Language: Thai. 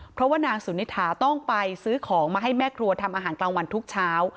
เพราะว่านางสุนิถาต้องไปซื้อของมาให้แม่ครัวทำอาหารกลางวันทุกเช้า